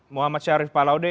muhammad syarif pak laude